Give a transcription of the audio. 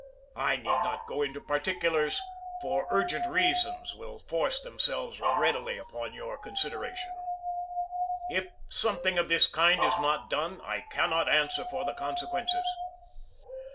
I need not go into particulars, for urgent reasons will force them selves readily upon your consideration. If something of the kind be not done, I cannot answer for the consequences.